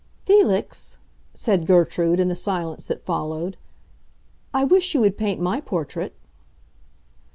"Felix," said Gertrude, in the silence that followed, "I wish you would paint my portrait."